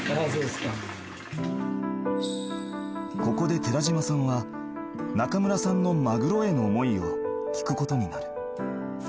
［ここで寺島さんは中村さんのマグロへの思いを聞くことになる］